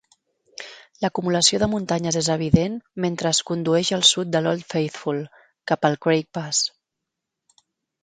L'acumulació de muntanyes és evident mentre es condueix al sud de l'Old Faithful, cap al Craig Pass.